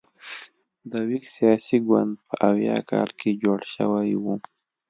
د ویګ سیاسي ګوند په اویا کال کې جوړ شوی و.